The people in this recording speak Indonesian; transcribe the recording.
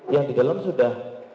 yang di dalam sudah